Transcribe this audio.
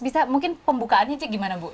bisa mungkin pembukaannya gimana bu